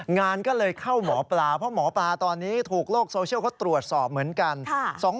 งานก็เลยเข้าหมอปลาเพราะหมอปลาตอนนี้ถูกโลกโซเชียลเขาตรวจสอบเหมือนกัน